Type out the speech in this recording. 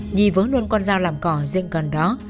nhi vớ luôn con dao làm cỏ dựng gần đó